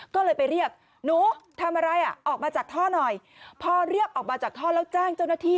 ก็เลยไปเรียกหนูทำอะไรอ่ะออกมาจากท่อหน่อยพอเรียกออกมาจากท่อแล้วแจ้งเจ้าหน้าที่